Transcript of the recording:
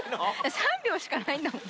３秒しかないんだもん。